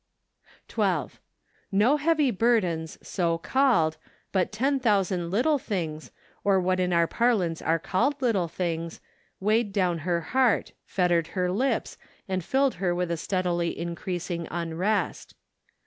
'* 12. No heavy burdens, so called, but ten thousand little things, or what in our par¬ lance are called little things, weighed down her heart, fettered her lips, and filled her with a steadily increasing unrest.